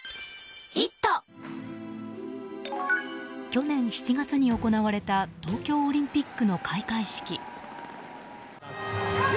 去年７月に行われた東京オリンピックの開会式。